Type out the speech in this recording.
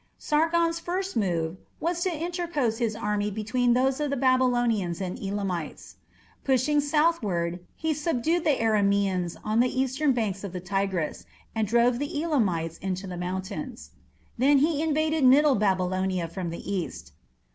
Sargon's first move was to interpose his army between those of the Babylonians and Elamites. Pushing southward, he subdued the Aramaeans on the eastern banks of the Tigris, and drove the Elamites into the mountains. Then he invaded middle Babylonia from the east.